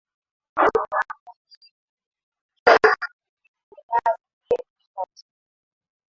kuchunguza misingi ya kibayolojia ya utegemezi wa dawa za kulevya sharti